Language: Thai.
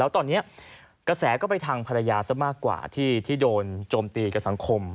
ตอนนี้กระแสก็ไปทางภรรยาซะมากกว่าที่โดนโจมตีกับสังคม